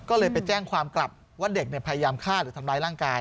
ก็เลยไปแจ้งความกลับว่าเด็กพยายามฆ่าหรือทำร้ายร่างกาย